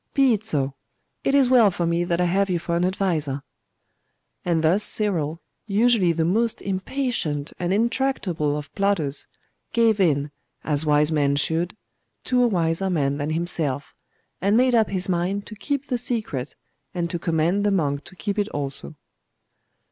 Be it so. It is well for me that I have you for an adviser.' And thus Cyril, usually the most impatient and intractable of plotters, gave in, as wise men should, to a wiser man than himself, and made up his mind to keep the secret, and to command the monk to keep it also.